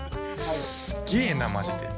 すっげえなマジで。